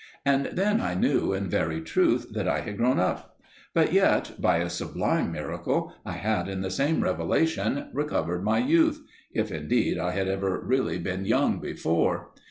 And then I knew in very truth that I had grown up; but yet, by a sublime miracle I had in the same revelation recovered my youth if, indeed, I had ever really been young before!